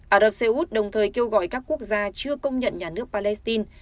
ả rập xê út đồng thời kêu gọi các quốc gia chưa công nhận nhà nước palestine